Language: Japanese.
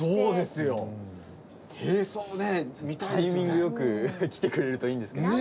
タイミング良く来てくれるといいんですけどね。